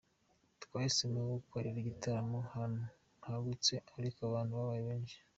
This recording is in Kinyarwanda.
Twahisemo gukorera igitaramo ahantu hagutse ariko abantu babaye benshi.